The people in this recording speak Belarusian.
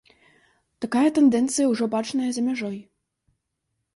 Такая тэндэнцыя ўжо бачная за мяжой.